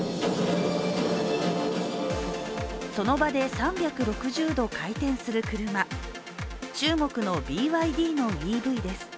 その場で３６０度回転する車、中国のＢＹＤのＥＶです。